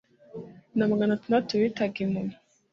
na magana atandatu bitaga impumyi